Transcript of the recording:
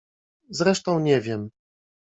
Zresztą nie wiem.